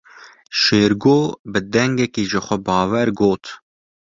Şêrgo bi dengekî jixwebawer got.